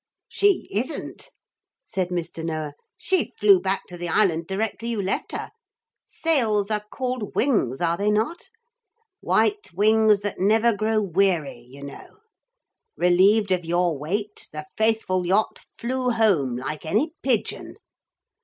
'She isn't,' said Mr. Noah. 'She flew back to the island directly you left her. Sails are called wings, are they not? White wings that never grow weary, you know. Relieved of your weight, the faithful yacht flew home like any pigeon.'